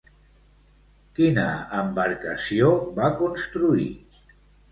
Quina embarcació va construir?